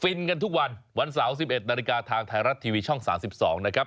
กันทุกวันวันเสาร์๑๑นาฬิกาทางไทยรัฐทีวีช่อง๓๒นะครับ